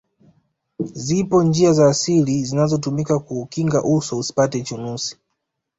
zipo njia za asili zinazotumika kuukinga uso usipate chunusi